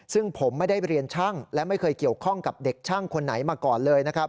ซึ่งผมไม่ได้เรียนช่างและไม่เคยเกี่ยวข้องกับเด็กช่างคนไหนมาก่อนเลยนะครับ